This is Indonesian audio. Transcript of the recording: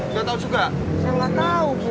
udah tau juga